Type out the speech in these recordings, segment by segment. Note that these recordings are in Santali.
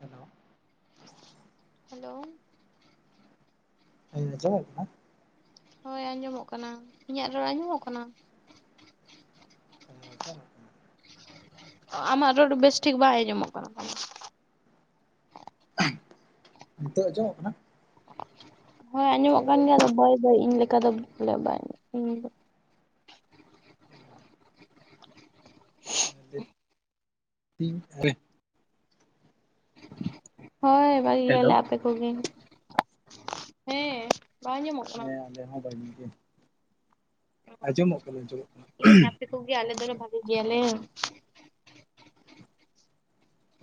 ᱦᱮᱞᱳ ᱦᱮᱞᱳ ᱦᱮᱸ ᱟᱸᱡᱚᱢᱚᱜ ᱠᱟᱱᱟ? ᱦᱳᱭ ᱟᱸᱡᱚᱢᱚᱜ ᱠᱟᱱᱟ, ᱤᱧᱟᱜ ᱨᱚᱲ ᱟᱸᱡᱚᱢᱚᱜ ᱠᱟᱱᱟ? [unintelligible] ᱟᱢᱟᱜ ᱨᱚᱲ ᱵᱮᱥ ᱴᱷᱤᱠ ᱵᱟᱭ ᱟᱸᱡᱚᱢᱚᱜ ᱠᱟᱱᱟ᱾ ᱱᱤᱛᱚᱜ ᱟᱸᱡᱚᱢᱚᱜ ᱠᱟᱱᱟ? ᱦᱳᱭ ᱟᱸᱡᱚᱢᱚᱜ ᱠᱟᱱ ᱜᱮᱭᱟ ᱟᱫᱚ ᱵᱟᱹᱭ ᱵᱟᱹᱭ ᱤᱧ ᱞᱮᱠᱟ ᱫᱚ ᱵᱚᱞᱮ ᱵᱟᱭ ᱟᱸᱡᱚᱢᱚᱜ ᱠᱟᱱᱟ᱾ [unintelligible] ᱦᱳᱭ ᱵᱷᱟᱹᱜᱤ ᱦᱮᱞᱳ ᱜᱮᱭᱟᱞᱮ, ᱟᱯᱮ ᱠᱚᱜᱮ ᱵᱟᱝ ᱟᱸᱡᱚᱢᱚᱜ ᱠᱟᱱᱟ ᱦᱮᱸ ᱟᱞᱮ ᱦᱚᱸ ᱵᱷᱟᱜᱮᱹ ᱜᱮ᱾ ᱟᱸᱡᱚᱢᱚᱜ ᱠᱟᱱᱟ ᱟᱸᱡᱚᱢᱚᱜ ᱠᱟᱱᱟ᱾ ᱠᱷᱩᱵ ᱜᱮ ᱟᱞᱮ ᱫᱚᱞᱮ ᱵᱷᱟᱜᱮᱹ ᱜᱮᱭᱟᱞᱮ᱾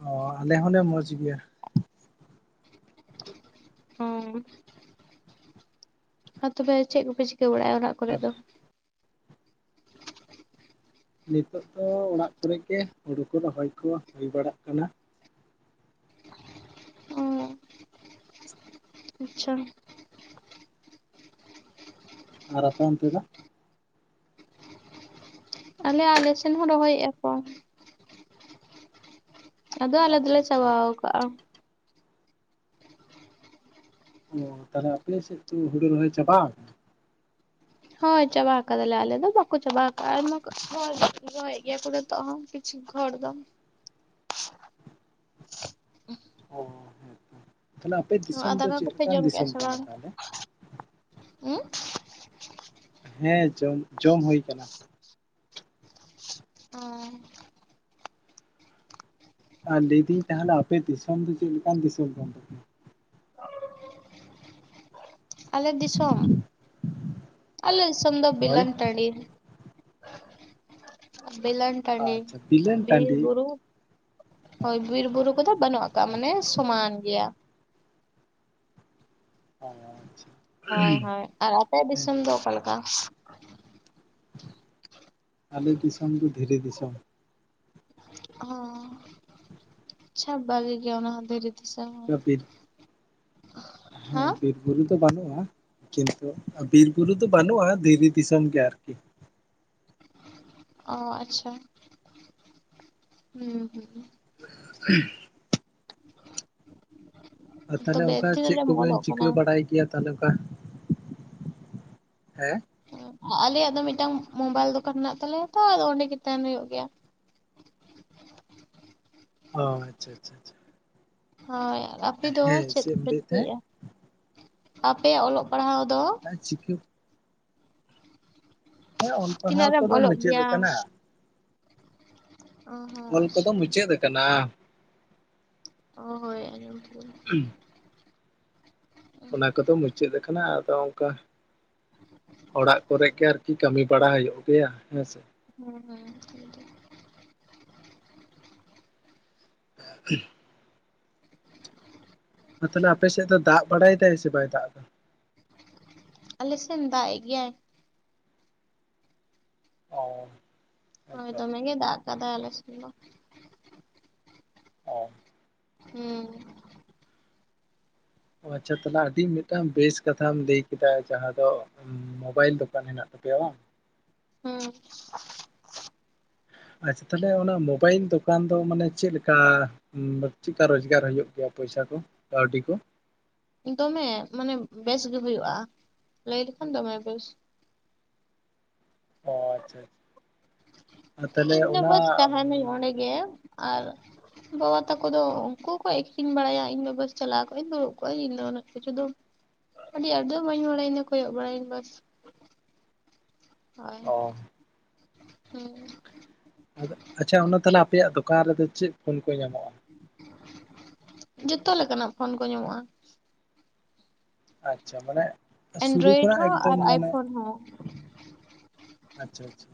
ᱚ ᱟᱞᱮ ᱦᱚᱸᱞᱮ ᱢᱚᱡᱽ ᱜᱮᱭᱟ᱾ ᱚ, ᱟᱨ ᱛᱚᱵᱮ ᱪᱮᱫ ᱠᱚᱯᱮ ᱪᱤᱠᱟᱹ ᱵᱟᱲᱟᱭᱟᱭᱮᱫ ᱟ ᱚᱲᱟᱜ ᱠᱚᱨᱮ ᱟᱨ ᱫᱚ? ᱱᱤᱛᱚᱜ ᱫᱚ ᱚᱲᱟᱜ ᱠᱚᱨᱮ ᱜᱮ ᱦᱩᱲᱩ ᱠᱚ ᱨᱚᱦᱚᱭ ᱠᱚ ᱦᱩᱭ ᱵᱟᱲᱟᱜ ᱠᱟᱱᱟ᱾ ᱟᱪᱪᱷᱟ᱾ ᱟᱨ ᱟᱯᱮ ᱚᱱᱛᱮ ᱫᱚ? ᱟᱞᱮ ᱟᱞᱮᱥᱮᱱ ᱦᱚᱸ ᱨᱚᱦᱚᱭᱮᱫ-ᱟ ᱠᱚ᱾ ᱟᱫᱚ ᱟᱞᱮ ᱟᱪᱪᱷᱟ ᱫᱚᱞᱮ ᱟᱪᱪᱷᱟ ᱪᱟᱵᱟᱣ ᱟᱠᱟᱫ-ᱟ᱾ ᱚ ᱛᱟᱦᱚᱞᱮ ᱟᱯᱮ ᱥᱮᱫ ᱛᱚ ᱦᱩᱲᱩ ᱨᱚᱦᱚᱭ ᱪᱟᱵᱟᱜ ᱟᱠᱟᱱᱟ? ᱦᱳᱭ ᱪᱟᱵᱟ ᱟᱠᱟᱫᱟᱞᱮ ᱟᱞᱮ ᱫᱚ ᱵᱟᱠᱚ ᱪᱟᱵᱟ ᱟᱠᱟᱜ-ᱟ ᱟᱭᱢᱟ ᱠᱚ ᱨᱚᱦᱚᱭ ᱮᱫ ᱜᱮᱭᱟ ᱠᱚ᱾ ᱛᱚᱦᱚᱢ ᱠᱤᱪᱩ ᱜᱷᱚᱲ ᱫᱚᱢ ᱚ ᱦᱮᱸ ᱦᱮᱸ ᱛᱟᱦᱞᱮ ᱟᱯᱮ ᱫᱤᱥᱚᱢ ᱟᱨ ᱫᱚ ᱫᱟᱠᱟ ᱪᱮᱫ ᱠᱚᱯᱮ ᱞᱮᱠᱟᱱ ᱡᱚᱢ ᱠᱮᱜᱼᱟ ᱫᱤᱥᱚᱢ ᱥᱮ ᱠᱟᱱᱟ ᱵᱟᱝ? ᱛᱟᱦᱚᱞᱮ? ᱦᱩᱸ? ᱦᱮᱸ ᱡᱚᱢ ᱡᱚᱢ ᱦᱩᱭ ᱠᱟᱱᱟ᱾ ᱚ ᱟᱨ ᱞᱟᱹᱭ ᱫᱤᱧ ᱛᱟᱦᱚᱞᱮ ᱟᱯᱮ ᱫᱤᱥᱚᱢ ᱫᱚ ᱪᱮᱫ ᱞᱮᱠᱟᱱ ᱫᱤᱥᱚᱢ ᱠᱟᱱ ᱛᱟᱯᱮᱭᱟ? [inaudible] ᱟᱞᱮ ᱫᱤᱥᱚᱢ ᱟᱞᱮ ᱫᱤᱥᱚᱢ ᱫᱚ ᱦᱳᱭ ᱵᱤᱞᱟᱱ ᱴᱟᱺᱰᱤ᱾ ᱵᱤᱞᱟᱱ ᱴᱟᱺᱰᱤ ᱟᱪᱪᱷᱟ ᱵᱤᱞᱟᱹᱱ ᱴᱟᱺᱰᱤ ᱵᱤᱨ-ᱵᱩᱨᱩ ᱦᱳᱭ ᱵᱤᱨ ᱵᱩᱨᱩ ᱠᱚᱫᱚ ᱵᱟᱹᱱᱩᱜ ᱠᱟᱜ-ᱟ ᱢᱟᱱᱮ ᱟᱪᱪᱷᱟ ᱟᱪᱪᱷᱟ ᱥᱚᱢᱟᱱ ᱜᱮᱭᱟ᱾ [unintelligible] ᱦᱳᱭ ᱦᱳᱭ ᱟᱨ ᱟᱯᱮ ᱫᱤᱥᱚᱢ ᱦᱮᱸᱛᱚ ᱫᱚ ᱚᱠᱟᱞᱮᱠᱟ? ᱟᱞᱮ ᱫᱤᱥᱚᱢ ᱫᱚ ᱫᱷᱤᱨᱤ ᱫᱤᱥᱚᱢ᱾ ᱚᱸ ᱟᱪᱷᱟ ᱵᱟᱹᱜᱤ ᱜᱮ ᱚᱱᱟ ᱦᱚᱸ ᱫᱷᱤᱨᱤ [unintelligible] ᱵᱤᱨ ᱦᱮᱸ ᱵᱤᱨ ᱵᱩᱨᱩ ᱫᱚ ᱵᱟᱹᱱᱩᱜ-ᱟ ᱠᱤᱱᱛᱩ ᱵᱤᱨ ᱵᱩᱨᱩ ᱫᱚ ᱵᱟᱹᱱᱩᱜ-ᱟ ᱫᱷᱤᱨᱤ ᱫᱤᱥᱚᱢ ᱜᱮ ᱟᱨᱠᱤ᱾ ᱚ ᱟᱪᱪᱷᱟ ᱦᱩᱸ ᱦᱩᱸ [inaudible] ᱟᱨ ᱦᱩᱸ ᱛᱟᱦᱚᱞᱮ ᱛᱚᱵᱮ ᱚᱱᱠᱟ ᱛᱤᱱᱟᱹᱜ ᱪᱮᱫ ᱨᱮᱢ ᱠᱚᱵᱤᱱ ᱚᱞᱚᱜ ᱪᱤᱠᱟᱹ ᱠᱟᱱᱟ? ᱵᱟᱲᱟᱭ ᱜᱮᱭᱟ? ᱛᱟᱦᱞᱮᱠᱟ ᱚᱱᱠᱟ ᱦᱮᱸ ᱩᱸ ᱟᱞᱮᱭᱟᱜ ᱫᱚ ᱢᱤᱫᱴᱟᱝ ᱢᱳᱵᱟᱭᱤᱞ ᱫᱚᱠᱟᱱ ᱢᱮᱱᱟᱜ ᱛᱟᱞᱮᱭᱟ ᱛᱚ ᱟᱫᱚ ᱚᱸᱰᱮ ᱜᱮ ᱛᱟᱦᱮᱱ ᱦᱩᱭᱩᱜ ᱜᱮᱭᱟ᱾ [inaudible] ᱚ ᱟᱪᱪᱷᱟ ᱟᱪᱷᱟ ᱟᱪᱷᱟ᱾ ᱦᱳᱭ ᱟᱯᱮ ᱫᱚ ᱪᱮᱫ ᱮᱢ ᱠᱚᱯᱮ ᱞᱟᱹᱭᱮᱫ ᱪᱤᱠᱟᱹᱭᱮ-ᱟ? ᱟᱯᱮᱭᱟᱜ ᱚᱞᱚᱜ ᱯᱟᱲᱦᱟᱣ ᱫᱚ ᱟ ᱪᱤᱠᱟᱹ ᱦᱮᱸ ᱚᱱ ᱯᱟᱲᱦᱟᱣ ᱛᱤᱱᱟᱹᱜ ᱨᱮᱢ ᱠᱚᱫᱚ ᱚᱞᱚᱜ ᱢᱩᱪᱟᱹᱫ ᱜᱮᱭᱟ? ᱟᱠᱟᱱᱟ᱾ ᱚ ᱦᱚᱸ ᱚᱞ ᱠᱚᱫᱚ ᱟᱪᱪᱷᱟ ᱢᱩᱪᱟᱹᱫ ᱟᱠᱟᱱᱟ᱾ ᱚ ᱦᱳᱭ ᱟᱸᱡᱚᱢ ᱠᱮᱫᱤᱧ᱾ ᱦᱩᱸ ᱚᱱᱟ ᱠᱚᱫᱚ ᱢᱩᱪᱟᱹᱫ ᱟᱠᱟᱱᱟ ᱟᱫᱚ ᱚᱱᱠᱟ ᱚᱲᱟᱜ ᱠᱚᱨᱮᱫ ᱜᱮ ᱟᱨᱠᱤ ᱠᱟᱹᱢᱤ ᱵᱟᱲᱟ ᱦᱩᱭᱩᱜ ᱜᱮᱭᱟ ᱦᱮᱸ ᱥᱮ ᱦᱩᱸ ᱴᱷᱤᱠ ᱜᱮᱭᱟ᱾ [inaudible] ᱟᱨ ᱛᱟᱦᱚᱞᱮ ᱟᱯᱮᱥᱮᱫ ᱫᱚ ᱫᱟᱜ ᱵᱟᱲᱟᱭ ᱮᱫᱟᱭ ᱥᱮ ᱵᱟᱭ ᱫᱟᱜ ᱮᱫᱟ? ᱟᱞᱮ ᱥᱮᱱ ᱫᱟᱜ ᱮ ᱜᱮᱭᱟᱭ᱾ ᱚ ᱦᱚᱭ ᱦᱮᱸᱛᱚ ᱫᱚᱢᱮ ᱜᱮ ᱫᱟᱜ ᱠᱟᱫᱟ ᱟᱞᱮ ᱥᱮᱱ ᱫᱚ᱾ ᱚ᱾ ᱦᱩᱸ᱾ ᱚ ᱟᱪᱪᱷᱟ ᱛᱟᱦᱚᱞᱮ ᱟᱹᱰᱤ ᱢᱤᱫᱴᱟᱝ ᱵᱮᱥ ᱠᱟᱛᱷᱟᱢ ᱞᱟᱹᱭ ᱠᱮᱫᱟ ᱡᱟᱦᱟᱸ ᱫᱚ ᱢᱳᱵᱟᱭᱤᱞ ᱫᱚᱠᱟᱱ ᱦᱮᱱᱟᱜ ᱛᱟᱯᱮᱭᱟ ᱵᱟᱝ? ᱦᱩᱸ᱾ ᱟᱪᱪᱷᱟ ᱛᱟᱦᱚᱞᱮ ᱚᱱᱟ ᱢᱳᱵᱟᱭᱤᱞ ᱫᱚᱠᱟᱱ ᱫᱚ ᱢᱟᱱᱮ ᱪᱮᱫ ᱞᱮᱠᱟ ᱪᱮᱫᱠᱟ ᱨᱳᱡᱽᱜᱟᱨ ᱦᱩᱭᱩᱜ ᱜᱮᱭᱟ ᱯᱚᱭᱥᱟ ᱠᱚ ᱠᱟᱹᱣᱰᱤ ᱠᱚ? ᱫᱚᱢᱮ ᱢᱟᱱᱮ ᱵᱮᱥ ᱜᱮ ᱦᱩᱭᱩᱜᱼᱟ᱾ ᱞᱟᱹᱭ ᱞᱮᱠᱷᱟᱱ ᱫᱚᱢᱮ ᱵᱮᱥ᱾ ᱚ ᱟᱪᱪᱷᱟ ᱟᱪᱪᱷᱟ ᱟᱨ ᱛᱟᱦᱚᱞᱮ ᱤᱧ ᱫᱚ ᱚᱱᱟ ᱵᱟᱥ ᱛᱟᱦᱮᱱᱟᱹᱧ ᱚᱸᱰᱮ ᱜᱮ ᱟᱨ ᱵᱟᱵᱟ ᱛᱟᱠᱚ ᱫᱚ ᱩᱱᱠᱩ ᱠᱚ ᱟᱹᱠᱷᱨᱤᱧ ᱵᱟᱲᱟᱭᱟ ᱤᱧ ᱵᱟᱥ ᱪᱟᱞᱟᱣ ᱠᱚᱜ ᱤᱧ ᱫᱩᱲᱩᱵ ᱠᱚᱜᱼᱟ ᱤᱧᱫᱚ ᱚᱱᱮᱠ ᱠᱤᱪᱷᱩ ᱫᱚ ᱟᱹᱰᱤ ᱟᱫᱚ ᱵᱟᱹᱧ ᱵᱟᱲᱟᱭᱮᱱᱟ ᱤᱧᱫᱚ ᱠᱚᱭᱚᱜ ᱵᱟᱲᱟᱭᱮᱧ ᱵᱟᱥ᱾ ᱦᱳᱭ ᱚ ᱦᱮᱸ᱾ ᱟᱫᱚ ᱟᱪᱪᱷᱟ ᱚᱱᱟ ᱛᱟᱦᱚᱞᱮ ᱟᱯᱮᱭᱟᱜ ᱫᱚᱠᱟᱱ ᱨᱮᱫᱚ ᱪᱮᱫ ᱯᱷᱳᱱ ᱠᱚ ᱧᱟᱢᱚᱜᱼᱟ? ᱡᱚᱛᱚ ᱞᱮᱠᱟᱱᱟᱜ ᱯᱷᱳᱱ ᱠᱚ ᱧᱟᱢᱚᱜᱼᱟ᱾ ᱟᱪᱪᱷᱟ ᱢᱟᱱᱮ ᱥᱩᱨᱩ ᱮᱱᱰᱨᱚᱭᱮᱰ ᱠᱷᱚᱱᱟᱜ ᱦᱚᱸ ᱟᱨ ᱮᱠᱫᱚᱢ ᱢᱟᱱᱮ ᱟᱭᱯᱷᱳᱱ ᱦᱚᱸ᱾ ᱟᱪᱪᱷᱟ ᱟᱪᱪᱷᱟ᱾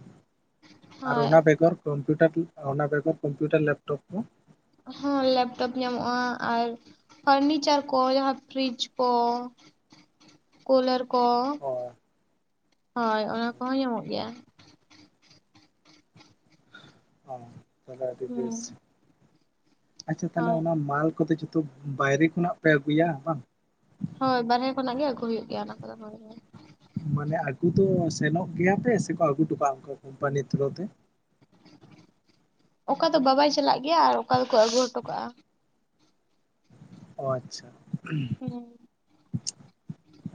ᱟᱨ ᱦᱳᱭ ᱚᱱᱟ ᱵᱮᱜᱚᱨ? ᱠᱚᱢᱯᱤᱭᱩᱴᱟᱨ ᱚᱱᱟ ᱵᱮᱜᱚᱨ ᱠᱚᱢᱯᱤᱭᱩᱴᱟᱨ ᱞᱮᱯᱴᱯ ᱠᱚ ᱦᱚᱸ ᱞᱮᱯᱴᱚᱯ ᱧᱟᱢᱚᱜᱼᱟ ᱟᱨ ᱯᱷᱟᱨᱱᱤᱪᱟᱨ ᱠᱚ ᱡᱟᱦᱟᱸ ᱯᱷᱨᱤᱡ ᱠᱚ᱾ ᱠᱩᱞᱟᱨ ᱠᱚ, ᱚ ᱦᱳᱭ ᱚᱱᱟ ᱟᱪᱪᱷᱟ ᱠᱚᱦᱚᱸ ᱟᱪᱪᱷᱟ, ᱧᱟᱢᱚᱜ ᱜᱮᱭᱟ᱾ ᱚ ᱛᱟᱦᱚᱞᱮ ᱟᱹᱰᱤ ᱵᱮᱥ᱾ ᱦᱩᱸ ᱟᱪᱪᱷᱟ ᱛᱟᱦᱞᱮ ᱦᱳᱭ ᱚᱱᱟ ᱢᱟᱞ ᱠᱚᱫᱚ ᱡᱚᱛᱚ ᱵᱟᱭᱨᱮ ᱠᱷᱚᱱᱟᱜ ᱯᱮ ᱟᱹᱜᱩᱭᱟ ᱵᱟᱝ? ᱦᱳᱭ ᱵᱟᱨᱦᱮ ᱠᱷᱚᱱᱟᱜ ᱜᱮ ᱟᱹᱜᱩ ᱦᱩᱭᱩᱜ ᱜᱮᱭᱟ ᱚᱱᱟ ᱠᱚᱫᱚ ᱦᱳᱭ ᱦᱳᱭ᱾ ᱢᱟᱱᱮ ᱟᱹᱜᱩ ᱫᱚ ᱥᱮᱱᱚᱜ ᱜᱮᱭᱟ ᱯᱮ ᱥᱮᱠᱚ ᱟᱹᱜᱩ ᱦᱚᱴᱚ ᱠᱟᱜᱼᱟ ᱠᱚᱢᱯᱟᱱᱤ ᱛᱷᱳᱨᱳ ᱛᱮ? ᱚᱠᱟ ᱫᱚ ᱵᱟᱵᱟᱭ ᱪᱟᱞᱟᱜ ᱜᱮᱭᱟ ᱟᱨ ᱚᱠᱟ ᱫᱚᱠᱚ ᱟᱹᱜᱩ ᱦᱚᱴᱚ ᱠᱟᱜᱼᱟ᱾ ᱚ ᱟᱪᱪᱷᱟ᱾ ᱦᱮᱸ᱾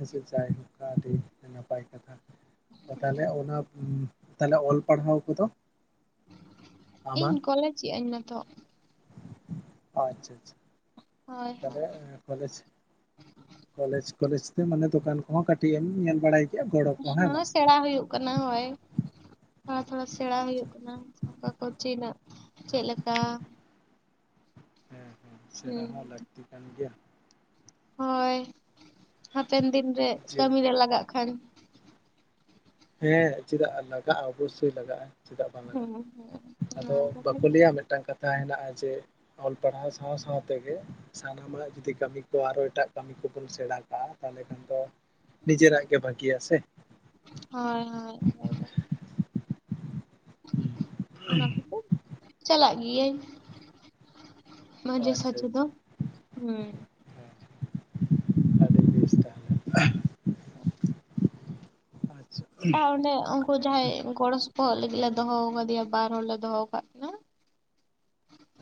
ᱟᱪᱶᱷᱟ ᱡᱟᱭ ᱦᱳᱠ ᱟᱹᱰᱤ ᱱᱟᱯᱟᱭ ᱠᱟᱛᱷᱟ᱾ ᱛᱟᱦᱞᱮ ᱚᱱᱟ ᱛᱟᱦᱞᱮ ᱚᱞ ᱯᱟᱲᱦᱟᱣ ᱠᱚᱫᱚ? ᱤᱧ ᱟᱢᱟᱜ ᱠᱚᱞᱮᱡᱽ ᱮᱜ ᱤᱧ ᱱᱤᱛᱚᱜ᱾ ᱟᱪᱪᱷᱟ ᱟᱪᱪᱷᱟ᱾ ᱦᱳᱭ ᱛᱟᱦᱞᱮ ᱦᱳᱭ ᱠᱚᱞᱮᱡᱽ ᱠᱚᱞᱮᱡᱽ ᱠᱚᱞᱮᱡᱽ ᱛᱮ ᱢᱟᱱᱮ ᱫᱚᱠᱟᱱ ᱠᱚᱦᱚᱸ ᱠᱟᱹᱴᱤᱡ ᱮᱢ ᱧᱮᱞ ᱵᱟᱲᱟᱭ ᱜᱮᱭᱟ ᱜᱚᱲᱚ ᱠᱚ ᱦᱮᱸ ᱦᱳᱭ ᱵᱟᱝ ᱥᱮᱬᱟ ᱦᱩᱭᱩᱜ ᱠᱟᱱᱟ ᱦᱳᱭ᱾ ᱛᱷᱚᱲᱟ ᱛᱷᱚᱲᱟ ᱥᱮᱬᱟ ᱟᱪᱪᱷᱟ ᱦᱩᱭᱩᱜ ᱟᱪᱪᱷᱟ, ᱠᱟᱱᱟ ᱚᱱᱠᱟ ᱠᱚ ᱛᱤᱱᱟᱹᱜ ᱪᱮᱫ ᱞᱮᱠᱟ᱾ ᱦᱮᱸ ᱦᱮᱸ ᱥᱮᱬᱟ ᱦᱩᱸ ᱦᱚᱸ ᱞᱟᱹᱠᱛᱤ ᱠᱟᱱ ᱜᱮᱭᱟ᱾ ᱦᱳᱭ ᱦᱟᱯᱮᱱ ᱫᱤᱱ ᱨᱮ ᱡᱮ ᱠᱟᱹᱢᱤ ᱨᱮ ᱞᱟᱜᱟᱜ ᱠᱷᱟᱱ᱾ ᱦᱮᱸ ᱪᱮᱫᱟᱜ ᱞᱟᱜᱟᱜᱼᱟ ᱚᱵᱚᱥᱳᱭ ᱞᱟᱜᱟᱜᱼᱟ, ᱪᱮᱫᱟᱜ ᱵᱟᱝ ᱞᱟᱜᱟᱜᱼᱟ ᱦᱩᱸ ᱦᱩᱸ ᱚᱱᱟ ᱟᱫᱚ ᱠᱷᱟᱹᱛᱤᱨ ᱵᱟᱠᱚ ᱞᱟᱹᱭᱟ ᱢᱤᱫᱴᱟᱝ ᱠᱟᱛᱷᱟ ᱦᱮᱱᱟᱜᱼᱟ ᱡᱮ ᱚᱞ ᱯᱟᱲᱦᱟᱣ ᱥᱟᱶ ᱥᱟᱶ ᱛᱮᱜᱮ ᱥᱟᱱᱟᱢᱟᱜ ᱡᱩᱫᱤ ᱠᱟᱹᱢᱤ ᱠᱚ ᱟᱨᱚ ᱮᱴᱟᱜ ᱠᱟᱹᱢᱤ ᱠᱚᱵᱚᱱ ᱥᱮᱬᱟ ᱠᱟᱜᱼᱟ ᱛᱟᱦᱚᱞᱮ ᱠᱷᱟᱱ ᱫᱚ ᱱᱤᱡᱮᱨᱟᱜ ᱜᱮ ᱵᱷᱟᱹᱜᱤ ᱭᱟ ᱥᱮ᱾ ᱦᱳᱭ ᱦᱳᱭ [unintelligible] ᱚᱱᱟ ᱠᱷᱟᱹᱛᱤᱨ ᱪᱟᱞᱟᱜ ᱜᱤᱭᱟᱹᱧ᱾ ᱚ ᱢᱟᱡᱷᱮ ᱟᱪᱪᱷᱟ ᱥᱟᱡᱷᱮ ᱫᱚ ᱟᱪᱪᱷᱟ ᱦᱩᱸ ᱦᱮᱸ ᱟᱹᱰᱤ ᱵᱮᱥ ᱛᱟᱦᱞᱮ᱾ ᱟᱪᱪᱷᱟ ᱟ ᱚᱸᱰᱮ ᱩᱱᱠᱩ ᱡᱟᱦᱟᱸᱭ ᱜᱚᱲᱚ ᱥᱚᱯᱚᱦᱚᱫ ᱞᱟᱹᱜᱤᱫ ᱞᱮ ᱫᱚᱦᱚ ᱟᱠᱟᱫᱮᱭᱟ ᱵᱟᱨ ᱦᱚᱲ ᱞᱮ ᱫᱚᱦᱚ ᱟᱠᱟᱫ ᱠᱤᱱᱟ᱾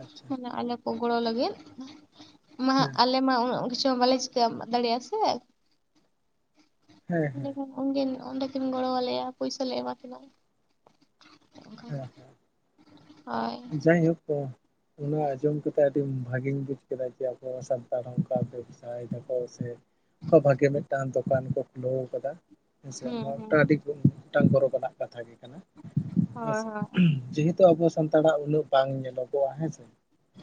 ᱟᱪᱪᱷᱟ ᱦᱟᱱᱮ ᱟᱞᱮ ᱠᱚ ᱜᱚᱲᱚ ᱞᱟᱹᱜᱤᱫ ᱢᱟ ᱦᱟᱸᱜ ᱦᱮᱸ ᱟᱞᱮ ᱢᱟ ᱩᱸᱱᱟᱹᱜ ᱠᱤᱪᱷᱩ ᱦᱚᱸ ᱵᱟᱞᱮ ᱪᱤᱠᱟ ᱮᱢ ᱫᱟᱲᱮᱭᱟᱜᱼᱟ ᱥᱮ ᱾ ᱦᱮᱸ ᱦᱮᱸ ᱮᱰᱮᱠᱷᱟᱱ ᱩᱱᱠᱤᱱ ᱚᱸᱰᱮ ᱠᱤᱱ ᱜᱚᱲᱚ ᱟᱞᱮᱭᱟ ᱯᱚᱭᱥᱟ ᱞᱮ ᱮᱢᱟ ᱠᱤᱱᱟᱹ ᱾ ᱦᱮᱸ, ᱦᱳᱭ ᱦᱮᱸ, ᱡᱟᱭᱦᱳᱠ ᱚ ᱾ ᱚᱱᱟ ᱟᱸᱡᱚᱢ ᱠᱟᱛᱮᱜ ᱟᱹᱰᱤ ᱵᱷᱟᱹᱜᱤᱧ ᱵᱩᱡᱽ ᱠᱮᱫᱟ ᱡᱮ ᱟᱵᱚ ᱥᱟᱱᱛᱟᱲ ᱦᱚᱸ ᱚᱱᱠᱟ ᱟᱭ ᱫᱟᱠᱚ ᱥᱮ ᱚᱝᱠᱟ ᱵᱷᱟᱜᱮ ᱢᱤᱫᱴᱟᱱ ᱫᱚᱠᱟᱱ ᱠᱚ ᱠᱷᱩᱞᱟᱹᱣ ᱠᱟᱫᱟ ᱾ ᱦᱮᱸ ᱥᱮ, ᱦᱩᱸ ᱚᱱᱟ ᱦᱩᱸ ᱢᱤᱫᱴᱟᱝ ᱟᱹᱰᱤ ᱢᱤᱫᱴᱟᱝ ᱜᱚᱨᱚᱵᱽ ᱟᱱᱟᱜ ᱠᱟᱛᱷᱟ ᱜᱮ ᱠᱟᱱᱟ ᱾ ᱦᱮᱸ ᱦᱳᱭ ᱥᱮ, ᱦᱳᱭ ᱡᱮᱦᱮᱛᱩ ᱟᱵᱚ ᱥᱟᱱᱛᱟᱲᱟᱜ ᱩᱱᱟᱹᱜ ᱵᱟᱝ ᱧᱮᱞᱚᱜᱚᱜᱼᱟ ᱦᱮᱸ ᱥᱮ ᱾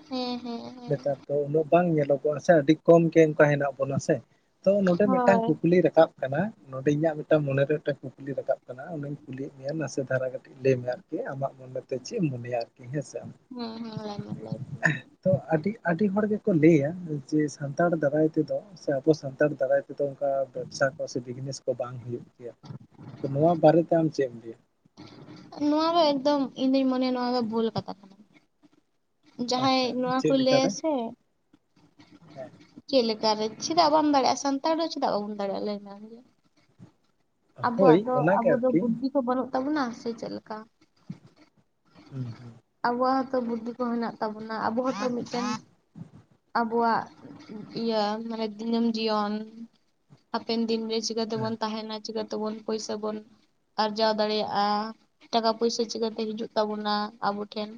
ᱦᱮᱸ ᱦᱮᱸ ᱦᱮᱸ ᱾ ᱛᱚ ᱩᱱᱟᱹᱜ ᱵᱟᱝ ᱧᱮᱞᱚᱜᱚᱜᱼᱟ ᱥᱮ ᱟᱹᱰᱤ ᱠᱚᱢ ᱜᱮ ᱚᱱᱠᱟ ᱦᱮᱱᱟᱜ ᱵᱚᱱᱟ ᱥᱮ, ᱛᱚ ᱱᱚᱸᱰᱮ ᱢᱤᱫᱴᱟᱝ ᱦᱳᱭ ᱠᱩᱠᱞᱤ ᱨᱟᱠᱟᱵ ᱠᱟᱱᱟ ᱱᱚᱸᱰᱮ ᱤᱧᱟᱹᱜ ᱢᱤᱫᱴᱟᱝ ᱢᱚᱱᱮ ᱨᱮ ᱢᱤᱫᱴᱟᱝ ᱠᱩᱠᱞᱤ ᱨᱟᱠᱟᱵ ᱠᱟᱱᱟ, ᱚᱱᱟᱧ ᱠᱩᱞᱤᱭᱮᱫ ᱢᱮᱭᱟ ᱱᱟᱥᱮ ᱫᱷᱟᱨᱟ ᱠᱟᱹᱴᱤᱡ ᱞᱟᱹᱭ ᱜᱮ ᱟᱢᱟᱜ ᱢᱚᱱᱮ ᱛᱮ ᱪᱮᱫ ᱢᱚᱱᱮᱭᱟ ᱟᱨᱠᱤ ᱦᱮᱸ ᱥᱮ? ᱦᱮᱸ ᱦᱮᱸ ᱞᱟᱹᱭ ᱢᱮ ᱞᱟᱹᱭ ᱢᱮ ᱛᱚ ᱟᱹᱰᱤ ᱟᱹᱰᱤ ᱦᱚᱲ ᱜᱮᱠᱚ ᱞᱟᱹᱭᱟ ᱡᱮ ᱥᱟᱱᱛᱟᱲ ᱫᱟᱨᱟᱭ ᱛᱮᱫᱚ ᱥᱮ ᱟᱵᱚ ᱥᱟᱱᱛᱟᱲ ᱫᱟᱨᱟᱭ ᱛᱮᱫᱚ ᱚᱱᱠᱟ ᱵᱮᱵᱽᱥᱟ ᱠᱚ ᱥᱮ ᱵᱤᱡᱽᱱᱮᱥ ᱠᱚ ᱵᱟᱝ ᱦᱩᱭᱩᱜ ᱜᱮᱭᱟ ᱾ ᱛᱚ ᱱᱚᱣᱟ ᱵᱟᱨᱮ ᱛᱮ ᱟᱢ ᱪᱮᱫ ᱮᱢ ᱞᱟᱹᱭᱟ? ᱱᱚᱣᱟ ᱫᱚ ᱮᱠᱫᱚᱢ ᱤᱧ ᱫᱩᱧ ᱢᱚᱱᱮᱭᱟ ᱱᱚᱣᱟ ᱫᱚ ᱵᱷᱩᱞ ᱠᱟᱛᱷᱟ ᱠᱟᱱᱟ ᱾ ᱡᱟᱦᱟᱸᱭ ᱟᱪᱪᱷᱟ ᱱᱚᱶᱟ ᱠᱚ ᱪᱮᱫ ᱞᱟᱹᱭᱟ ᱞᱮᱠᱟᱨᱮ ᱥᱮ ᱦᱮᱸ ᱾ ᱪᱮᱫ ᱞᱮᱠᱟ ᱨᱮ ᱪᱮᱫᱟᱜ ᱵᱟᱢ ᱫᱟᱲᱮᱭᱟᱜᱼᱟ ᱥᱟᱱᱛᱟᱲ ᱫᱚ ᱪᱮᱫᱟᱜ ᱵᱟᱵᱚᱱ ᱫᱟᱲᱮᱭᱟᱜᱼᱟ ᱞᱟᱹᱭ ᱢᱮ ᱟᱢ ᱜᱮ? ᱦᱳᱭ ᱟᱵᱚᱣᱟᱜ ᱫᱚ ᱚᱱᱟᱜᱮ ᱟᱵᱩ ᱫᱚ ᱟᱨᱠᱤ ᱵᱩᱫᱽᱫᱷᱤ ᱠᱚ ᱵᱟᱹᱱᱩᱜ ᱛᱟᱵᱚᱱᱟ ᱥᱮ ᱪᱮᱫᱞᱮᱠᱟ? ᱦᱩᱸ ᱦᱩᱸ ᱾ ᱟᱵᱚᱣᱟᱜ ᱦᱚᱸᱛᱚ ᱵᱩᱫᱽᱫᱷᱤ ᱠᱚ ᱦᱮᱱᱟᱜ ᱛᱟᱵᱚᱱᱟ, ᱟᱵᱚ ᱦᱚᱸᱛᱚ ᱢᱤᱫᱴᱮᱱ ᱟᱵᱚᱣᱟᱜ ᱤᱭᱟᱹ ᱢᱟᱱᱮ ᱫᱤᱱᱟᱹᱢ ᱡᱤᱭᱚᱱ ᱦᱟᱯᱮᱱ ᱫᱤᱱᱨᱮ ᱦᱮᱸ ᱪᱤᱠᱟᱹᱛᱮᱵᱚᱱ ᱛᱟᱦᱮᱱᱟ, ᱪᱤᱠᱟᱹᱛᱮᱵᱚᱱ ᱯᱚᱭᱥᱟ ᱵᱚᱱ ᱟᱨᱡᱟᱣ ᱫᱟᱲᱮᱭᱟᱜᱼᱟ, ᱴᱟᱠᱟ ᱯᱚᱭᱥᱟ ᱪᱤᱠᱟᱹᱛᱮ ᱦᱤᱡᱩᱜ ᱛᱟᱵᱚᱱᱟ ᱟᱵᱚ ᱴᱷᱮᱱ?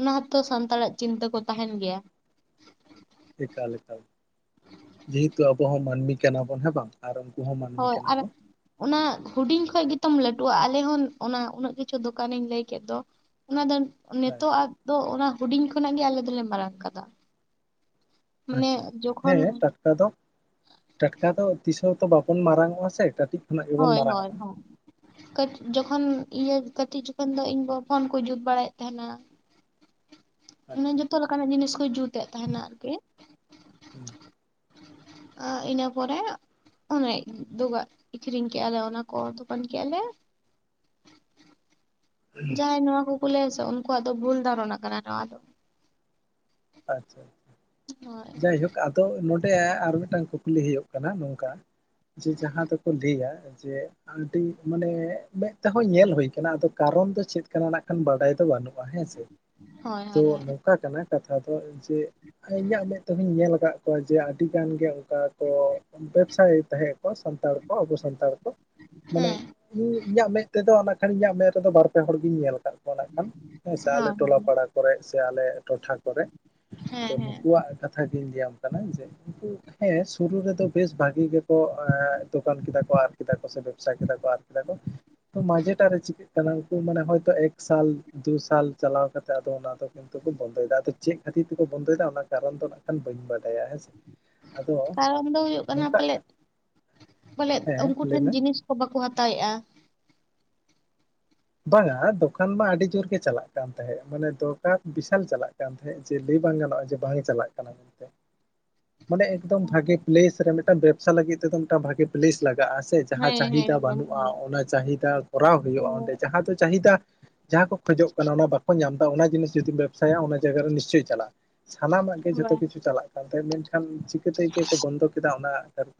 ᱚᱱᱟ ᱦᱚᱸᱛᱚ ᱥᱟᱱᱛᱟᱲᱟᱜ ᱪᱤᱱᱛᱟᱹ ᱠᱚ ᱛᱟᱦᱮᱱ ᱜᱮᱭᱟ ᱾ ᱮᱠᱟᱞ ᱮᱠᱟᱞ, ᱡᱮᱦᱮᱛᱩ ᱟᱵᱚ ᱦᱚᱸ ᱢᱟᱹᱱᱢᱤ ᱠᱟᱱᱟ ᱵᱚᱱ ᱦᱮᱸ ᱵᱟᱝ! ᱟᱨ ᱩᱱᱠᱩ ᱦᱚᱸ ᱢᱟᱹᱱᱢᱤ ᱦᱳᱭ ᱠᱟᱱᱟ ᱟᱨ ᱠᱚ ᱾ ᱚᱱᱟ ᱦᱩᱰᱤᱧ ᱠᱷᱚᱱ ᱜᱮᱛᱚᱢ ᱞᱟᱹᱴᱩᱜᱼᱟ, ᱟᱞᱮ ᱦᱚᱸ ᱚᱱᱟ ᱩᱱᱟᱹᱜ ᱠᱤᱪᱷᱩ ᱫᱚᱠᱟᱱᱤᱧ ᱞᱟᱹᱭ ᱠᱮᱫ ᱫᱚ ᱚᱱᱟ ᱫᱚ ᱦᱮᱸ ᱱᱤᱛᱳᱜ ᱟᱜ ᱫᱚ ᱚᱱᱟ ᱦᱩᱰᱤᱧ ᱠᱷᱚᱱᱟᱜ ᱜᱮ ᱟᱞᱮ ᱫᱚᱞᱮ ᱢᱟᱨᱟᱝ ᱠᱟᱫᱟ ᱾ ᱢᱟᱱᱮ ᱟᱪᱪᱷᱟ ᱟᱪᱪᱷᱟ ᱡᱚᱠᱷᱚᱱ ᱦᱮᱸ ᱴᱟᱴᱠᱟ ᱫᱚ ᱴᱟᱴᱠᱟ ᱫᱚ ᱛᱤᱥᱦᱚᱸ ᱛᱚ ᱵᱟᱵᱚᱱ ᱢᱟᱨᱟᱝ ᱚᱜᱼᱟ ᱥᱮ ᱠᱟᱹᱴᱤᱡ ᱠᱷᱚᱱᱟᱜ ᱜᱮᱵᱚᱱ ᱦᱳᱭ ᱦᱳᱭ ᱢᱟᱨᱟᱝᱚᱜᱼᱟ ᱦᱳᱭ ᱾ ᱠᱟᱹᱴ ᱡᱚᱠᱷᱚᱱ ᱤᱭᱟᱹ ᱠᱟᱹᱴᱤᱡ ᱡᱚᱠᱷᱚᱱ ᱫᱚ ᱤᱧ ᱵᱟᱵᱟ ᱯᱷᱳᱱ ᱠᱚ ᱡᱩᱛ ᱵᱟᱲᱟᱭᱮᱫ ᱛᱟᱦᱮᱱᱟ ᱾ ᱢᱟᱱᱮ ᱟᱪᱪᱷᱟ ᱡᱚᱛᱚ ᱞᱮᱠᱟᱱᱟᱜ ᱡᱤᱱᱤᱥ ᱠᱚ ᱡᱩᱛᱮᱫ ᱛᱟᱦᱮᱱᱟ ᱟᱨᱠᱤ ᱾ ᱦᱩᱸ ᱟ ᱤᱱᱟᱹ ᱯᱚᱨᱮ ᱚᱱᱮ ᱫᱚᱠᱟ ᱟᱠᱷᱨᱤᱧ ᱠᱮᱜᱼᱟ ᱞᱮ ᱚᱱᱟ ᱠᱚ ᱫᱚᱠᱟᱱ ᱠᱮᱜᱼᱟ ᱞᱮ ᱾ ᱡᱟᱦᱟᱸᱭ ᱱᱚᱣᱟ ᱠᱚᱠᱚ ᱞᱟᱹᱭᱟᱥᱮ, ᱩᱱᱠᱩᱣᱟᱜ ᱫᱚ ᱵᱷᱩᱞ ᱫᱷᱟᱨᱚᱱᱟ ᱠᱟᱱᱟ ᱱᱚᱣᱟ ᱫᱚ ᱾ ᱟᱪᱪᱷᱟ, ᱦᱳᱭ ᱡᱟᱭᱦᱳᱠ ᱟ ᱫᱚ ᱱᱚᱸᱰᱮ ᱟᱨ ᱢᱤᱫᱴᱟᱝ ᱠᱩᱠᱞᱤ ᱦᱩᱭᱩᱜ ᱠᱟᱱᱟ ᱱᱚᱝᱠᱟ ᱡᱮ ᱡᱟᱦᱟᱸ ᱫᱚᱠᱚ ᱞᱟᱹᱭᱟ ᱡᱮ ᱟᱹᱰᱤ ᱢᱟᱱᱮ ᱢᱮᱫ ᱛᱮᱦᱚᱸ ᱧᱮᱞ ᱦᱩᱭ ᱟᱠᱟᱱᱟ ᱟᱫᱚ ᱠᱟᱨᱚᱱ ᱫᱚ ᱪᱮᱫ ᱠᱟᱱᱟ ᱱᱟᱜ ᱠᱷᱟᱱ ᱵᱟᱰᱟᱭ ᱫᱚ ᱵᱟᱹᱱᱩᱜ ᱦᱮᱸᱥᱮ ᱦᱳᱭ ᱛᱚ ᱦᱳᱭ ᱱᱚᱝᱠᱟ ᱠᱟᱱᱟ ᱠᱟᱛᱷᱟ ᱫᱚ ᱡᱮ ᱤᱧᱟᱹᱜ ᱢᱮᱫ ᱛᱮᱦᱚᱧ ᱧᱮᱞ ᱟᱠᱟᱫ ᱠᱚᱣᱟ ᱡᱮ ᱟᱹᱰᱤ ᱜᱟᱱ ᱜᱮ ᱚᱱᱠᱟ ᱠᱚ ᱵᱮᱵᱽᱥᱟᱭ ᱛᱟᱦᱮᱸᱜ ᱠᱚ ᱥᱟᱱᱛᱟᱲ ᱠᱚ ᱟᱵᱚ ᱥᱟᱱᱛᱟᱲ ᱠᱚ, ᱢᱟᱱᱮ ᱦᱮᱸ ᱤᱧ ᱤᱧᱟᱹᱜ ᱢᱮᱫ ᱛᱮᱫᱚ ᱱᱟᱜ ᱠᱷᱟᱱ ᱤᱧᱟᱹᱜ ᱢᱮᱫ ᱨᱮᱫᱚ ᱵᱟᱨ ᱯᱮ ᱦᱚᱲ ᱜᱤᱧ ᱧᱮᱞ ᱱᱟᱜ ᱠᱷᱟᱱ ᱦᱮᱸ ᱥᱮ ᱟᱞᱮ ᱦᱳᱭ ᱦᱳᱭ ᱴᱚᱞᱟ ᱯᱟᱲᱟ ᱠᱚᱨᱮ ᱥᱮ ᱟᱞᱮ ᱴᱚᱴᱷᱟ ᱠᱚᱨᱮ ᱠᱚᱨᱮ ᱛᱚ ᱦᱮᱸ ᱦᱮᱸ ᱱᱩᱠᱩᱣᱟᱜ ᱠᱟᱛᱷᱟ ᱜᱤᱧ ᱞᱟᱹᱭᱟᱢ ᱠᱟᱱᱟ ᱡᱮ ᱩᱱᱠᱩ ᱦᱮᱸ ᱥᱩᱨᱩ ᱨᱮᱫᱚ ᱵᱮᱥ ᱵᱷᱟᱜᱤ ᱜᱮ ᱠᱚ ᱮᱸ ᱫᱚᱠᱟᱱ ᱠᱮᱫᱟ ᱠᱚ ᱟᱨ ᱠᱮᱫᱟ ᱠᱚ ᱥᱮ ᱵᱮᱵᱽᱥᱟ ᱠᱮᱫᱟ ᱠᱚ ᱟᱨ ᱠᱮᱫᱟ ᱠᱚ ᱛᱚ ᱢᱟᱡᱷᱮᱴᱟᱜ ᱨᱮ ᱪᱤᱠᱟᱹ ᱩᱱᱠᱩ ᱢᱟᱱᱮ ᱦᱚᱭᱛ ᱮᱠ ᱥᱟᱞ ᱫᱩ ᱥᱟᱞ ᱪᱟᱞᱟᱣ ᱠᱟᱛᱮᱜ ᱟᱫᱚ ᱚᱱᱟ ᱫᱚ ᱠᱤᱱᱛᱩ ᱠᱚ ᱵᱚᱱᱫᱚᱭᱮᱫᱟ, ᱟᱫᱚ ᱪᱮᱫ ᱠᱷᱟᱹᱛᱤᱨ ᱛᱮᱠᱚ ᱵᱚᱱᱫᱚᱭᱮᱫᱟ ᱚᱱᱟ ᱠᱟᱨᱚᱱ ᱫᱚ ᱱᱟᱜ ᱠᱷᱟᱱ ᱵᱟᱹᱧ ᱵᱟᱰᱟᱭᱟ ᱦᱮᱸᱥᱮ ᱾ ᱠᱟᱨᱚᱱ ᱫᱚ ᱦᱩᱭᱩᱜ ᱠᱟᱱᱟ ᱯᱟᱞᱮᱫ ᱠᱟᱱ ᱯᱟᱞᱮᱫ ᱦᱮᱸ ᱩᱱᱠᱩ ᱴᱷᱮᱱ ᱞᱟᱹᱭᱢᱮ ᱡᱤᱱᱤᱥ ᱵᱟᱠᱚ ᱦᱟᱛᱟᱣᱮ-ᱟ ᱾ ᱵᱟᱝ-ᱟ ᱫᱚᱠᱟᱱ ᱢᱟ ᱟᱹᱰᱤ ᱡᱳᱨ ᱜᱮ ᱪᱟᱞᱟᱜ ᱠᱟᱱ ᱛᱟᱦᱮᱸᱫ ᱢᱟᱱᱮ ᱫᱚᱨᱠᱟᱨ ᱵᱤᱥᱟᱞ ᱪᱟᱞᱟᱜ ᱠᱟᱱ ᱛᱟᱦᱮᱸᱫ ᱾ ᱦᱮᱸ ᱡᱮ ᱞᱟᱹᱭ ᱵᱟᱝ ᱜᱟᱱᱚᱜ-ᱟ ᱡᱮ ᱵᱟᱝ ᱪᱟᱞᱟᱜ ᱠᱟᱱᱟ ᱢᱮᱱᱛᱮ ᱾ ᱢᱟᱱᱮ ᱮᱠᱫᱚᱢ ᱵᱷᱟᱜᱮ ᱯᱮᱞᱮᱥ ᱨᱮ ᱢᱤᱫᱴᱟᱝ ᱵᱮᱵᱥᱟ ᱞᱟᱹᱜᱤᱫ ᱛᱮᱫ ᱵᱷᱟᱜᱮ ᱯᱮᱞᱮᱥ ᱞᱟᱜᱟᱜ-ᱟ ᱾ ᱡᱟᱦᱟᱸ ᱦᱮᱸ ᱦᱮᱸ ᱪᱟᱦᱤᱫᱟ ᱮᱠᱫᱚᱢ ᱵᱟᱹᱱᱩᱜ-ᱟ ᱦᱳᱭ ᱚᱱᱟ ᱪᱟᱦᱤᱫᱟ ᱠᱚᱨᱟᱣ ᱦᱩᱭᱩᱜ-ᱟ ᱚᱸᱰᱮ ᱦᱳᱭ ᱾ ᱡᱟᱦᱟᱸ ᱫᱚ ᱪᱟᱦᱤᱫᱟ ᱡᱟᱦᱟᱸ ᱠᱚ ᱠᱷᱚᱡᱚᱜ ᱠᱟᱱᱟ ᱚᱱᱟ ᱵᱟᱠ ᱠᱚ ᱧᱟᱢ ᱫᱟ ᱚᱱᱟ ᱡᱤᱱᱤᱥ ᱡᱩᱫᱤᱢ ᱵᱮᱵᱽᱥᱟᱭᱟ ᱚᱱᱟ ᱡᱟᱭᱜᱟ ᱨᱮ ᱱᱤᱥᱪᱚᱭ ᱪᱟᱞᱟᱜ-ᱟ ᱥᱟᱱᱟᱢᱟᱜ-ᱟ ᱜᱮ ᱡᱚᱛᱚ ᱦᱳᱭ᱾ ᱠᱤᱪᱩ ᱪᱟᱞᱟᱜ-ᱟ ᱾ ᱛᱚ ᱢᱮᱱᱠᱷᱟᱱ ᱪᱤᱠᱟᱹᱛᱮ ᱪᱮᱫ ᱠᱚ ᱵᱚᱱᱫᱚ ᱠᱮᱫᱟ ᱚᱱᱟ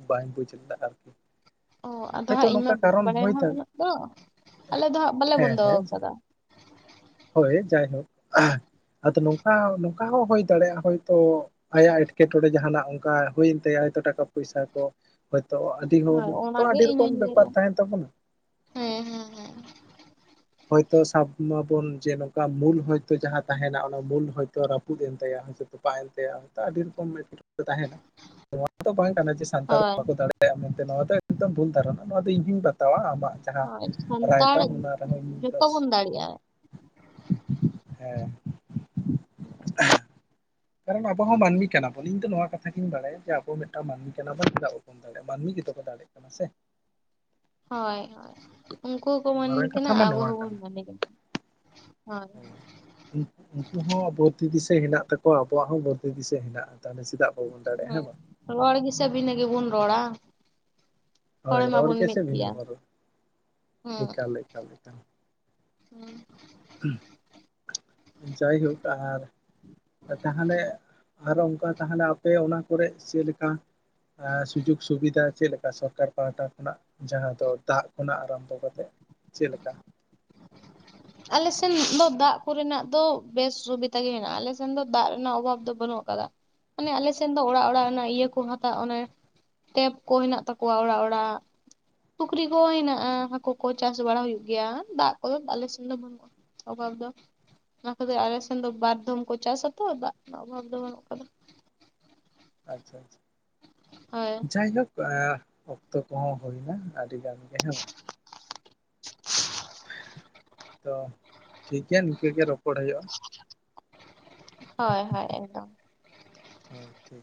ᱵᱟᱹᱧ ᱵᱩᱡᱽ ᱞᱮᱫᱟ ᱟᱨᱠᱤ᱾ ᱚ ᱟᱫᱚ ᱦᱚᱭᱛᱚ ᱦᱟᱸᱜ ᱤᱧ ᱢᱟ ᱱᱚᱝᱠᱟ ᱵᱟᱹᱧ ᱠᱟᱨᱚᱱ ᱦᱳᱭ ᱵᱟᱲᱟᱭᱟ ᱦᱟᱜ ᱫᱟᱲᱮᱭᱟᱜ ᱩᱱᱟᱹᱜ ᱫᱚ ᱟᱞᱮ ᱫᱚ ᱦᱟᱸᱜ ᱵᱟᱞᱮ ᱦᱮᱸ ᱵᱚᱱᱫᱚ ᱦᱮᱸ ᱟᱠᱟᱫᱟ ᱾ ᱦᱳᱭ ᱡᱟᱭᱦᱳᱠ ᱟᱫᱚ ᱱᱚᱝᱠᱟ ᱱᱚᱝᱠᱟ ᱦᱚᱸ ᱦᱩᱭᱳᱭ ᱫᱟᱲᱮᱭᱟᱜ-ᱟ ᱦᱚᱭᱛᱚ ᱾ ᱟᱭᱟᱜ ᱮᱴᱠᱮᱴᱚᱬᱮ ᱡᱟᱦᱟ ᱱᱟᱜ ᱚᱱᱠᱟ ᱦᱩᱭᱮᱱ ᱛᱟᱭᱟ ᱦᱚᱛᱚ ᱴᱟᱠᱟ ᱯᱚᱭᱥᱟ ᱠᱚ ᱦᱳᱭᱛᱳ ᱟᱹᱰᱤ ᱦᱚᱲ ᱦᱳᱭ ᱛᱚ ᱚᱱᱟᱜᱮ ᱟᱹᱰᱤ ᱤᱧ ᱨᱚᱠᱚᱢ ᱦᱚᱧ ᱵᱮᱯᱟᱨ ᱞᱟᱹᱭᱮᱜᱼᱟ᱾ ᱛᱟᱦᱮᱱ ᱛᱟᱵᱚᱱᱟ ᱾ ᱦᱮᱸ ᱦᱮᱸ ᱦᱮᱸ᱾ ᱦᱚᱭᱛᱳ ᱥᱟᱵ ᱢᱟᱵᱚᱱ ᱡᱮ ᱱᱚᱝᱠᱟ ᱵᱷᱩᱞ ᱦᱚᱭᱛᱚ ᱡᱟᱦᱟᱸ ᱛᱟᱦᱮᱱᱟ ᱚᱱᱟ ᱵᱷᱩᱞ ᱦᱚᱭᱛᱚ ᱨᱟᱹᱯᱩᱫ ᱮᱱ ᱛᱟᱭᱟ ᱾ ᱛᱚᱯᱟᱜ ᱮᱱᱛᱟᱭᱟ ᱟᱹᱰᱤ ᱨᱚᱠᱚᱢ ᱮᱴᱠᱮᱴᱚᱬᱮ ᱛᱟᱦᱮᱱᱟ ᱱᱚᱣᱟ ᱫᱚ ᱵᱟᱝ ᱠᱟᱱᱟ ᱡᱮ ᱥᱟᱱᱛᱟᱲ ᱦᱳᱭ ᱵᱟᱠᱚ ᱫᱟᱲᱮᱭᱟᱜ-ᱟ ᱾ ᱢᱮᱱᱛᱮ ᱱᱚᱣᱟ ᱫᱚ ᱮᱠᱫᱚᱢ ᱵᱷᱩᱞ ᱫᱷᱟᱨᱚᱱᱟ ᱱᱚᱣᱟ ᱫᱚ ᱤᱧᱦᱧ ᱵᱟᱛᱟᱣᱟ ᱟᱢᱟᱜ ᱡᱟᱦᱟᱸ ᱦᱳᱭ ᱨᱟᱭ ᱥᱟᱱᱛᱟᱲ ᱛᱟᱢ ᱚᱱᱟ [unintelligible] ᱡᱚᱛᱚ ᱵᱚᱱ ᱫᱟᱲᱮᱭᱟᱜᱼᱟ ᱦᱮᱸ [unintelligible] ᱠᱟᱨᱚᱱ ᱟᱵᱚ ᱦᱚᱸ ᱢᱟᱹᱱᱢᱤ ᱠᱟᱱᱟ ᱵᱚᱱ ᱤᱧ ᱫᱚ ᱱᱚᱣᱟ ᱠᱟᱛᱷᱟ ᱜᱤᱧ ᱵᱟᱲᱟᱭᱟ ᱡᱮ ᱟᱵᱚ ᱢᱤᱫᱴᱟᱝ ᱢᱟᱹᱱᱢᱤ ᱠᱟᱱᱟ ᱵᱚᱱ ᱪᱮᱫᱟᱜ ᱵᱟᱵᱚᱱ ᱫᱟᱲᱮᱭᱟᱜ-ᱟ, ᱢᱟᱹᱱᱢᱤ ᱜᱮᱛᱚ ᱠᱚ ᱫᱟᱲᱮᱭᱟᱜ ᱠᱟᱱᱟ ᱥᱮ᱾ ᱦᱳᱭ ᱦᱳᱭ ᱩᱱᱠᱩ ᱦᱚᱸᱠᱚ ᱢᱟᱹᱱᱢᱤ ᱢᱟᱨᱟᱝ ᱠᱟᱱᱟ ᱠᱟᱛᱷᱟ ᱢᱟ ᱟᱵᱚ ᱱᱚᱣᱟ ᱦᱚᱸ ᱵᱚᱱ ᱢᱟᱹᱱᱢᱤ ᱠᱟᱱᱟ ᱦᱳᱭ᱾ ᱩᱱᱠᱩ ᱦᱚᱸ ᱵᱩᱨᱫᱷᱤ ᱫᱤᱥᱟᱹ ᱦᱮᱱᱟᱜ ᱛᱟᱠᱚᱣᱟ ᱟᱵᱩᱣᱟᱜ ᱦᱚᱸ ᱵᱩᱨᱫᱷᱤ ᱫᱤᱥᱟᱹ ᱦᱮᱱᱟᱜ-ᱟ᱾ ᱛᱟᱦᱚᱞᱮ ᱪᱮᱫᱟᱜ ᱵᱟᱵᱚᱱ ᱫᱟᱲᱮᱭᱟᱜ-ᱟ ᱦᱮᱸ ᱵᱟᱝ᱾ ᱨᱚᱲ ᱜᱮᱥᱮ ᱵᱷᱤᱱᱟᱹ ᱜᱮ ᱵᱚᱱ ᱨᱚᱲᱟ᱾ ᱦᱚᱲ ᱦᱳᱭ ᱨᱚᱲ ᱢᱟᱵᱚᱱ ᱜᱮ ᱥᱮ ᱢᱤᱫ ᱵᱷᱤᱱᱟ ᱜᱮᱭᱟ ᱵᱚᱱ ᱨᱚᱲ ᱦᱮᱸ ᱮᱠᱟᱞ ᱮᱠᱟᱞ ᱮᱠᱟᱞ ᱾ [unintelligible] ᱡᱟᱭᱦᱳᱠ ᱟᱨ ᱛᱟᱦᱚᱞᱮ ᱟᱨ ᱚᱱᱠᱟ ᱛᱟᱦᱚᱞᱮ ᱟᱯᱮ ᱚᱱᱟ ᱠᱚᱨᱮ ᱪᱮᱫ ᱞᱮᱠᱟ? ᱮᱸ ᱥᱩᱡᱳᱜᱽ ᱥᱩᱵᱤᱫᱷᱟ ᱪᱮᱫ ᱞᱮᱠᱟ ᱥᱚᱨᱠᱟᱨ ᱯᱟᱦᱟᱴᱟ ᱠᱷᱚᱱᱟᱜ? ᱡᱟᱦᱟᱸ ᱫᱚ ᱫᱟᱜ ᱠᱷᱚᱱᱟᱜ ᱟᱨᱟᱢᱵᱷᱚ ᱠᱟᱛᱮᱫ ᱪᱮᱫ ᱞᱮᱠᱟ? ᱟᱞᱮ ᱥᱮᱱ ᱫᱚ ᱫᱟᱜ ᱠᱚᱨᱮᱱᱟᱜ ᱫᱚ ᱵᱮᱥ ᱥᱩᱵᱤᱫᱷᱟ ᱜᱮ ᱢᱮᱱᱟᱜ-ᱟ, ᱟᱞᱮ ᱥᱮᱱ ᱫᱚ ᱫᱟᱜ ᱨᱮᱱᱟᱜ ᱚᱵᱷᱟᱵ ᱫᱚ ᱵᱟᱹᱱᱩᱜ ᱟᱠᱟᱫᱟ᱾ ᱢᱟᱱᱮ ᱟᱞᱮ ᱥᱮᱱ ᱫᱚ ᱚᱲᱟᱜ ᱚᱲᱟᱜ ᱚᱱᱟ ᱤᱭᱟᱹ ᱠᱚ ᱦᱟᱛᱟᱜ ᱚᱱᱮ ᱴᱮᱯ ᱠᱚ ᱦᱮᱱᱟᱜ ᱛᱟᱠᱚᱣᱟ ᱚᱲᱟᱜ ᱚᱲᱟᱜ᱾ ᱯᱩᱠᱷᱨᱤ ᱠᱚ ᱦᱮᱱᱟᱜ-ᱟ ᱦᱟᱹᱠᱩ ᱠᱚ ᱪᱟᱥ ᱵᱟᱲᱟ ᱦᱩᱭᱩᱜ ᱜᱮᱭᱟ, ᱫᱟᱜ ᱠᱚᱫᱚ ᱟᱞᱮ ᱥᱮᱫ ᱵᱟᱱᱩᱜ-ᱟ ᱚᱵᱷᱟᱵ ᱫᱚ᱾ ᱚᱱᱟ ᱠᱷᱟᱹᱛᱤᱨ ᱟᱞᱮ ᱥᱮᱱ ᱫᱚ ᱵᱟᱨ ᱫᱷᱢ ᱠᱚ ᱪᱟᱥᱟ ᱛᱚ ᱫᱟᱜ ᱨᱮᱱᱟᱜ ᱚᱵᱷᱟᱵ ᱫᱚ ᱵᱟᱹᱱᱩᱜ ᱟᱠᱟᱫᱟ᱾ ᱟᱪᱪᱷᱟ ᱟᱪᱪᱷᱟ᱾ ᱦᱳᱭ ᱡᱟᱭᱦᱳᱠ ᱟ ᱚᱠᱛᱚ ᱠᱚᱦᱚᱸ ᱦᱩᱭᱱᱟ ᱟᱹᱰᱤ ᱜᱟᱱ ᱜᱮ ᱦᱮᱸ ᱵᱟᱝ ᱛᱚ ᱴᱷᱤᱠ ᱜᱮᱭᱟ ᱱᱤᱝᱠᱟᱹ ᱜᱮ ᱨᱚᱯᱚᱲ ᱦᱳᱭᱳᱜ-ᱟ᱾ ᱦᱳᱭ ᱦᱳᱭ ᱮᱠᱫᱚᱢ ᱦᱳᱭ ᱴᱷᱤᱠ